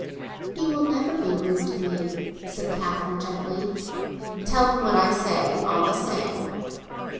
"He will never be rude to me," said Catherine gently. "Tell him what I say, all the same."